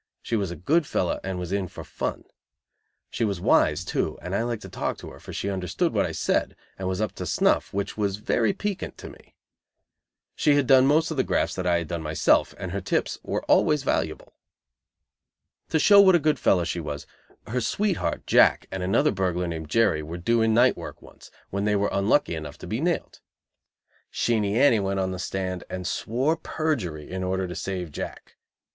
She was a good fellow, and was in for fun. She was "wise," too, and I liked to talk to her, for she understood what I said, and was up to snuff, which was very piquant to me. She had done most of the grafts that I had done myself, and her tips were always valuable. To show what a good fellow she was, her sweetheart, Jack, and another burglar named Jerry were doing night work once, when they were unlucky enough to be nailed. Sheenie Annie went on the stand and swore perjury in order to save Jack.